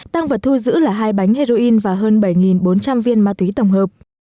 tăng vật thu giữ là hai bánh heroin và hơn bảy bốn trăm linh viên ma túy tổng hợp